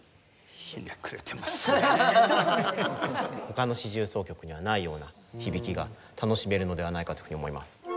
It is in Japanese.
他の四重奏曲にはないような響きが楽しめるのではないかというふうに思います。